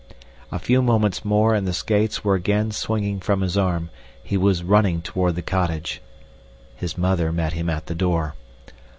A few moments more and the skates were again swinging from his arm. He was running toward the cottage. His mother met him at the door.